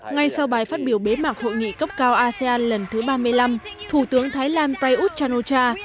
ngay sau bài phát biểu bế mạc hội nghị cấp cao asean lần thứ ba mươi năm thủ tướng thái lan prayuth chan o cha